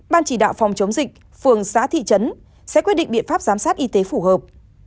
ban chỉ đạo phòng chống dịch phường xã thị trấn sẽ quyết định biện pháp giám sát y tế phù hợp